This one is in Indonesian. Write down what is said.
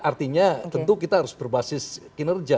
artinya tentu kita harus berbasis kinerja